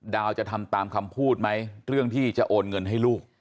ดาวจะทำตามคำพูดไหมเรื่องที่จะโอนเงินให้ลูก